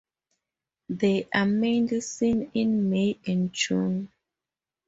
They are mainly seen in May and June.